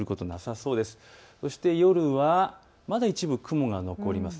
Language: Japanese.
そして夜はまだ一部、雲が残ります。